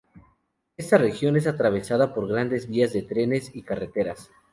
Esta región es atravesada por grandes vías de trenes y carreteras.